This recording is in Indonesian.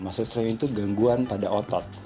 muscle strain itu gangguan pada otot